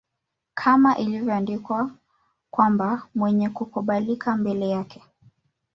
Kama ilivyoandikwa kwamba Mwenye kukubalika mbele yake